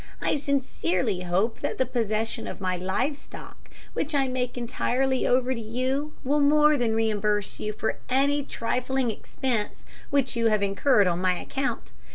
I sincerely hope that the possession of my live stock which I make entirely over to you, will more than reimburse you for any trifling expense which you may have incurred on my account.